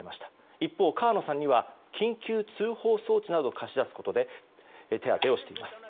一方、川野さんには緊急通報装置など貸し出すことで手当てをしています。